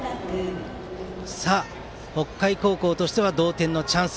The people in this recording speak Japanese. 北海高校としては同点のチャンス。